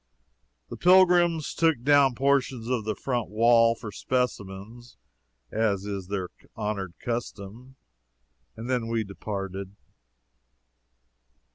The pilgrims took down portions of the front wall for specimens, as is their honored custom, and then we departed.